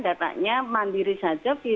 datanya mandiri saja